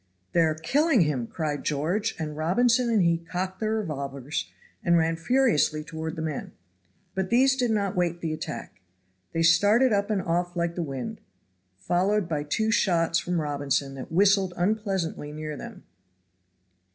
"They are killing him!" cried George; and Robinson and he cocked their revolvers and ran furiously toward the men. But these did not wait the attack. They started up and off like the wind, followed by two shots from Robinson that whistled unpleasantly near them.